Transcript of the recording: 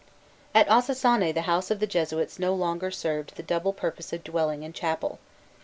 At Ossossané, the house of the Jesuits no longer served the double purpose of dwelling and chapel.